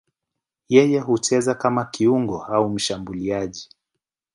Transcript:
Yeye hucheza kama kiungo au mshambuliaji.